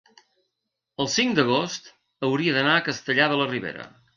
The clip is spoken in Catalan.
el cinc d'agost hauria d'anar a Castellar de la Ribera.